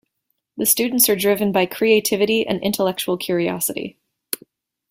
The students are driven by creativity and intellectual curiosity.